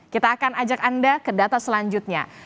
kita akan ajak anda ke data selanjutnya